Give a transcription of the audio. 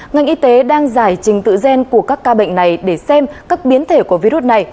ngành y tế đang giải trình tự gen của các ca bệnh này để xem các biến thể của virus này